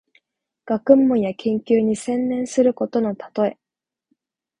学問や研究に専念することのたとえ。